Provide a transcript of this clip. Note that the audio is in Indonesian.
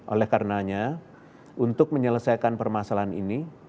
oleh karenanya untuk menyelesaikan permasalahan ini